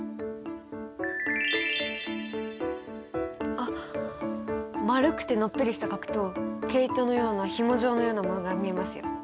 あっ丸くてのっぺりした核と毛糸のようなひも状のようなものが見えますよ。